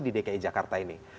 di dki jakarta ini